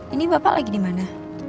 ini bapak lagi di mana